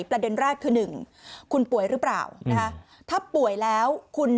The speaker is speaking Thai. ประเด็นแรกคือ๑คุณคุณป่วยหรือเปล่าถ้าป่วยแล้ว